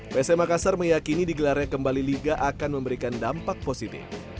psm makassar meyakini digelarnya kembali liga akan memberikan dampak positif